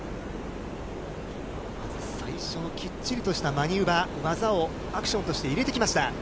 最初のきっちりとしたマニューバー、技をアクションとして入れてきました。